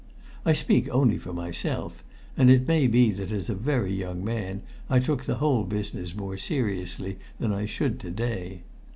I speak only for myself, and it may be that as a very young man I took the whole business more seriously than I should to day.